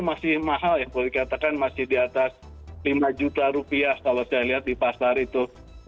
masih mahal ya boleh dikatakan masih di atas lima juta rupiah kalau saya lihat di pasar itu